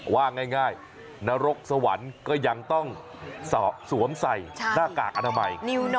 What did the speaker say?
ว่าง่ายนรกสวรรค์ก็ยังต้องสวมใส่หน้ากากอนามัย